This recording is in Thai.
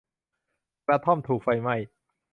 กระท่อมถูกไฟไหม้